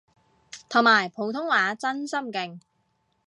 同埋普通話真心勁